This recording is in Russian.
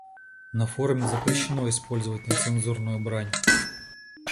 На форуме запрещено использовать нецензурную брань.